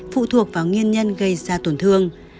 phụ thuộc vào nguyên nhân gây ra tổn thương